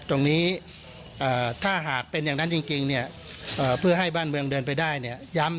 ตรงนี้ถ้าหากเป็นอย่างนั้นจริงเนี่ย